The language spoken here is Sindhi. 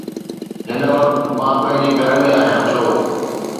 هن وقت، مان پنهنجي گهر ۾ آهيان، ڇو؟